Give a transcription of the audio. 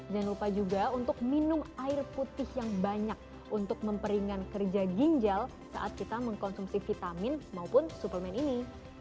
jangan lupa juga untuk minum air putih yang banyak untuk memperingan kerja ginjal saat kita mengkonsumsi vitamin maupun suplemen ini